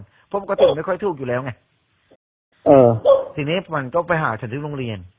เพราะปกติไม่ค่อยถูกอยู่แล้วไงเออทีนี้มันก็ไปหาฉันที่โรงเรียน